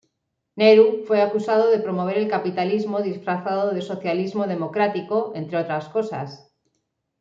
Nehru fue acusado de promover el capitalismo disfrazado de socialismo democrático, entre otras cosas.